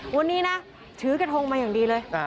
วันนี้นะถือกระทงมาอย่างดีเลย